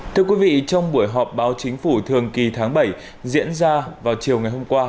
thưa quý vị trong buổi họp báo chính phủ thường kỳ tháng bảy diễn ra vào chiều ngày hôm qua